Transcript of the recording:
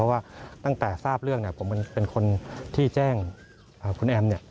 ว่าตั้งแต่ทราบเรื่องผมเป็นคนที่แจ้งคุณแอม